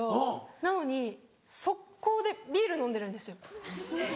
なのに即行でビール飲んでるんですよ。